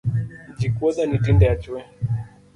Ji kuodha ni tinde achue.